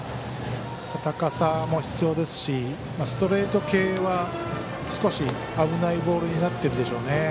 高さも必要ですしストレート系は少し危ないボールになってるでしょうね。